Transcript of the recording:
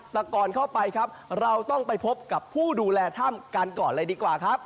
แต่ก่อนเข้าไปครับเราต้องไปพบกับผู้ดูแลถ้ำกันก่อนเลยดีกว่าครับ